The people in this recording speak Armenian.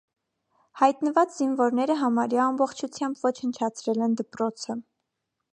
Հայտնված զինվորները համարյա ամբողջությամբ ոչնչացրել են դպրոցը։